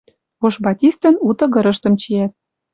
Ош батистӹн у тыгырыштым чиӓт.